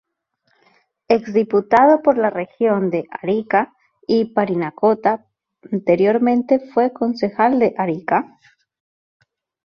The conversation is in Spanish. Ex diputado por la Región de Arica y Parinacota, anteriormente fue Concejal de Arica.